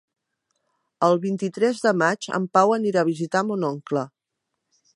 El vint-i-tres de maig en Pau anirà a visitar mon oncle.